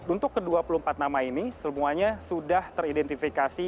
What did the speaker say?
untuk ke dua puluh empat nama ini semuanya sudah teridentifikasi